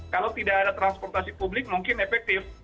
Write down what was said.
kalau tidak ada transportasi publik mungkin efektif